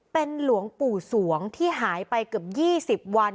เป็นหลวงปู่สวงที่หายไปเกือบ๒๐วัน